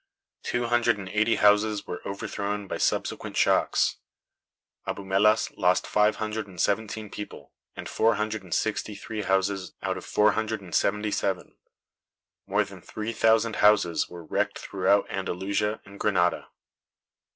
Two hundred and eighty houses were overthrown by subsequent shocks. Abumelas lost five hundred and seventeen people, and four hundred and sixty three houses out of four hundred and seventy seven. More than three thousand houses were wrecked throughout Andalusia and Granada.